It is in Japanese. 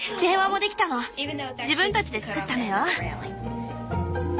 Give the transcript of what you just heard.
自分たちで作ったのよ。